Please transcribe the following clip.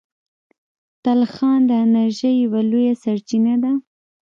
تلخان د انرژۍ یوه لویه سرچینه ده.